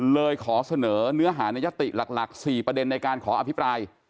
เลยขอเสนอเนื้อหาในยติหลัก๔ประเด็นในการขออภิปราย